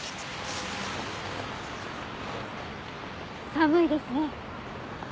寒いですね。